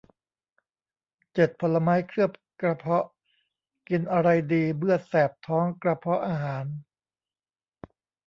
เจ็ด ผลไม้เคลือบกระเพาะ กินอะไรดีเมื่อแสบท้องกระเพาะอาหาร